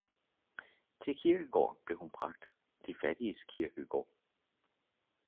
Til kirkegården blev hun bragt, de fattiges kirkegård.